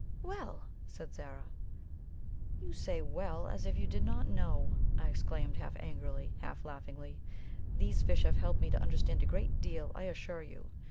'" "Well!" said Zara. "You say 'Well!' as if you did not know!" I exclaimed half angrily, half laughingly. "These fish have helped me to understand a great deal, I assure you.